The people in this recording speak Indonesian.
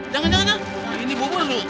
jangan jangan lah ini bubur tuh